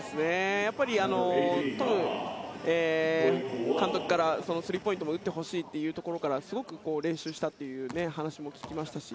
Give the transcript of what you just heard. やっぱりトム監督からスリーポイントも打ってほしいというところからすごく練習したという話も聞きましたし。